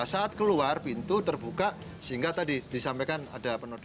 saat keluar pintu terbuka sehingga tadi disampaikan ada penonton